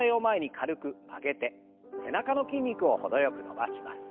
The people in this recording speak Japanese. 背中の筋肉をほどよく伸ばします。